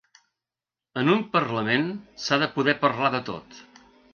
En un parlament s’ha de poder parlar de tot.